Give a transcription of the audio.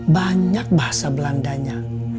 banyak bahasa belandanya